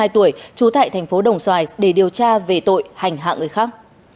bốn mươi hai tuổi trú tại tp đồng xoài để điều tra về tội hành hạ người khác